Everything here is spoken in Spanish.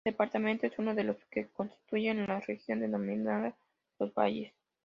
El departamento es uno de los que constituyen la región denominada "Los Valles".